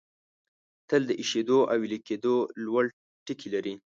تل د ایشېدو او ویلي کېدو لوړ ټکي لري.